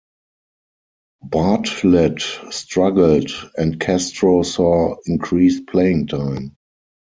Bartlett struggled and Castro saw increased playing time.